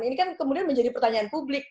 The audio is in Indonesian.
ini kan kemudian menjadi pertanyaan publik